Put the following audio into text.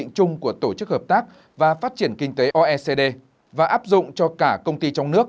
chung của tổ chức hợp tác và phát triển kinh tế oecd và áp dụng cho cả công ty trong nước